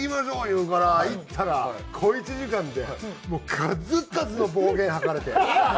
言うから行ったら小一時間でもう数々の暴言吐かれて。